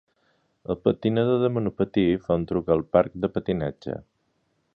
El patinador de monopatí fa un truc al parc de patinatge